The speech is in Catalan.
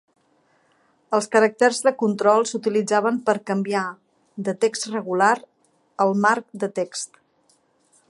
Els caràcters de control s'utilitzaven per canviar de text regular al marc de text.